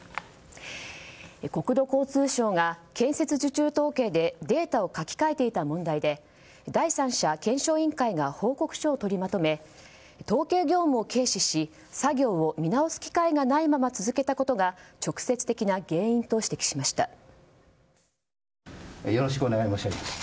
国土交通省が建設受注統計でデータを書き換えていた問題で第三者検証委員会が報告書を取りまとめ統計業務を軽視し作業を見直す機会がないまま続けたことが直接的な原因と指摘しました。